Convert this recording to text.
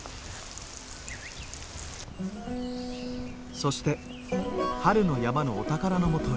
そして春の山のお宝のもとへ。